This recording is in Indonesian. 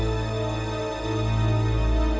aku mau ke sana